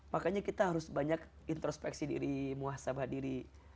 makanya kita harus banyak introspeksi diri muassabah diri